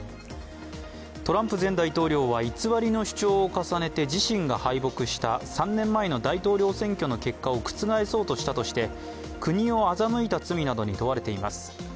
トランプ前大統領は偽りの主張を重ねて自身が敗北した３年前の大統領選挙の結果を覆そうとしたとして国を欺いた罪などに問われています。